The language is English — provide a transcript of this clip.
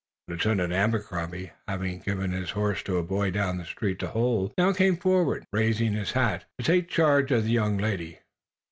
Lieutenant Abercrombie, having given his horse to a boy down the street to hold, now came forward, raising his hat, to take charge of the young lady.